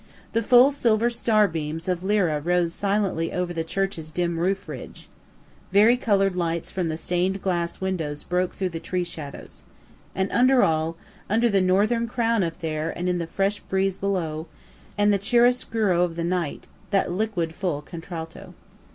The full silver star beams of Lyra rose silently over the church's dim roof ridge. Vari color'd lights from the stain'd glass windows broke through the tree shadows. And under all under the Northern Crown up there, and in the fresh breeze below, and the chiaroscuro of the night, that liquid full contralto.